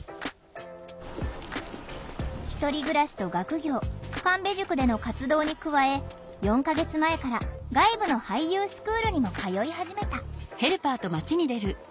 １人暮らしと学業神戸塾での活動に加え４か月前から外部の俳優スクールにも通い始めた。